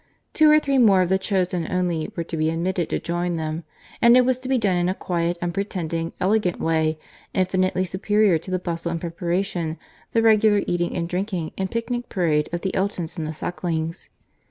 Two or three more of the chosen only were to be admitted to join them, and it was to be done in a quiet, unpretending, elegant way, infinitely superior to the bustle and preparation, the regular eating and drinking, and picnic parade of the Eltons and the Sucklings.